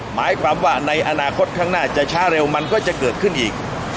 หมายความว่าในอนาคตข้างหน้าจะช้าเร็วมันก็จะเกิดขึ้นอีก